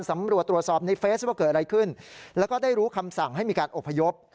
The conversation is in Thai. สำรวจตรวจสอบในเฟสว่าเกิดอะไรขึ้นแล้วก็ได้รู้คำสั่งให้มีการอบพยพ